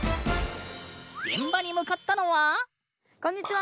現場に向かったのはこんにちは！